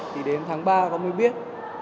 thì đến tháng ba con mới biết